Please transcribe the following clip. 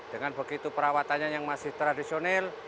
dengan begitu perawatannya yang masih tradisional